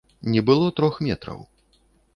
Не было трох метраў.